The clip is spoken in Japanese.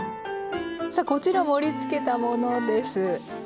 さあこちら盛りつけたものです。